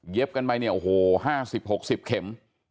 กันไปเนี่ยโอ้โห๕๐๖๐เข็ม